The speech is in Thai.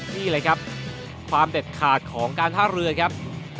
นี่เลยครับความเด็ดขาดของการท่าเรือครับ